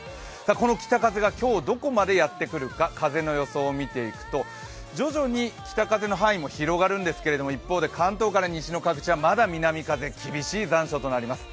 この北風が今日どこまでやってくるか風の予想を見ていくと徐々に北風の範囲も広がるんですが一方で関東より西の各地はまだ南風、厳しい残暑となります。